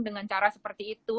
dengan cara seperti itu